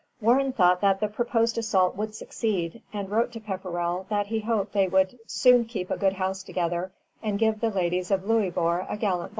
Warren thought that the proposed assault would succeed, and wrote to Pepperrell that he hoped they would "soon keep a good house together, and give the Ladys of Louisbourg a Gallant Ball."